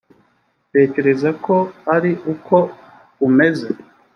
utekereza ko ari uko umeze?